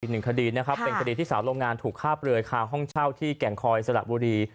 อีกหนึ่งคดีนะครับเป็นคดีที่สาวโรงงานถูกฆ่าเปลือยคาห้องเช่าที่แก่งคอยสระบุรี